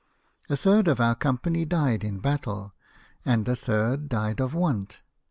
A third of our company died in battle, and a third died of want.